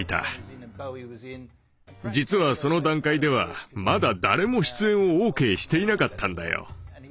実はその段階ではまだ誰も出演をＯＫしていなかったんだよ。